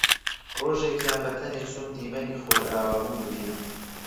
ڕۆژێکیان بەتەنێ چووم دیمەنی خۆرئاوابوون ببینم